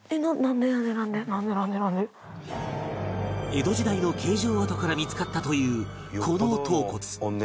江戸時代の刑場跡から見付かったというこの頭骨